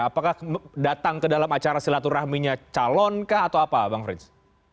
apakah datang ke dalam acara silaturahminya calon kah atau apa bang frits